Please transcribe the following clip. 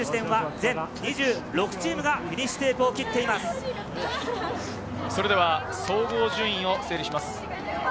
全２６チームがフィニッシュテー総合順位を整理します。